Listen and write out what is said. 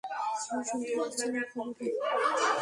আমি শুনতে পাচ্ছি না, খবরে?